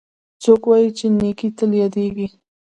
څوک وایي چې نیکۍ تل یادیږي